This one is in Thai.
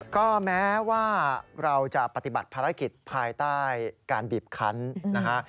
ก็แม้ว่าเราจะปฏิบัติภารกิจภายใต้การบีบคันนะฮะ